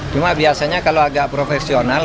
cuma biasanya kalau agak profesional